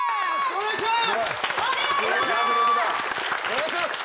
お願いします！